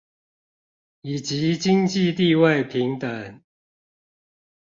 以及經濟地位平等